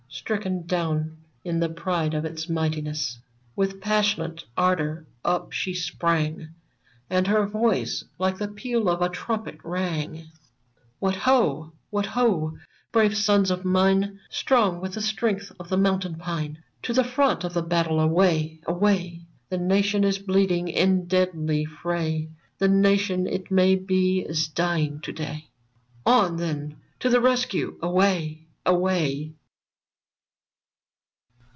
Stricken down in the pride of its mightiness! With passionate ardor up she sprang, And her voice like the peal of a trumpet rang — VERMONT 121 What ho ! what ho ! brave sons of mine, Strong with the strength of the mountain pine ! To the front of the battle, away ! away ! The Nation is bleeding in deadly fray, The Nation, it may be, is dying to day ! On, then, to the rescue ! away ! away